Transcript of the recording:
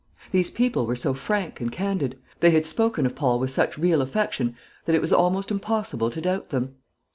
These people were so frank and candid, they had spoken of Paul with such real affection, that it was almost impossible to doubt them.